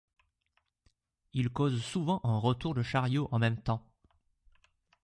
Il cause souvent un retour de chariot en même temps.